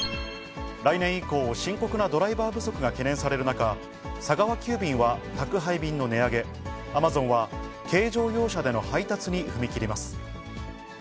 来年以降、深刻なドライバー不足が懸念される中、佐川急便は宅配便の値上げ、Ａｍａｚｏｎは軽乗用車での配達に踏み切ります。